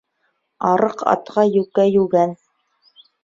Арыҡ атҡа йүкә йүгән.